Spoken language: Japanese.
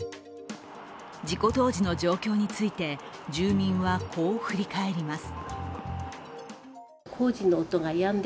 事故当時の状況について住民はこう振り返ります。